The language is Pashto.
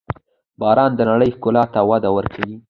• باران د نړۍ ښکلا ته وده ورکوي.